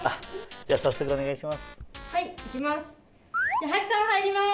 じゃ早速お願いします。